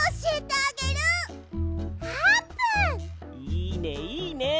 いいねいいね！